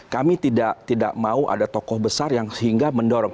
kami tidak mau ada tokoh besar yang sehingga mendorong